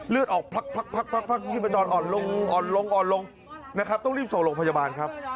เลือดออกพักที่มันอ่อนลงต้องรีบโสลงพยาบาลครับ